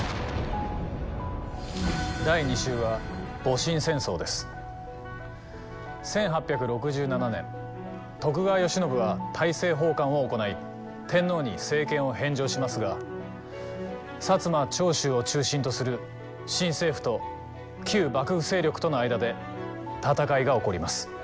第２集は１８６７年徳川慶喜は大政奉還を行い天皇に政権を返上しますが摩・長州を中心とする新政府と旧幕府勢力との間で戦いが起こります。